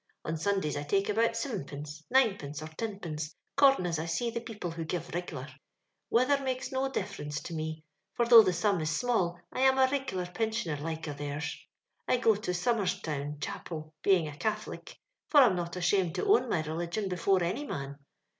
On Sundays I take about sivenpence, ninepence, or tiupence, 'cordin' as I see the people who give rigular. " Weather mokes no difference to mo — for, though the sum is small, I am a rigular pin sioner like of theirs. I go to Somer's town Cha pel, being a Catholic, for I'm not ashamed to own my religion before any man.